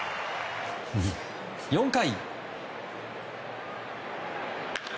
４回。